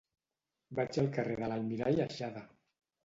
Vaig al carrer de l'Almirall Aixada.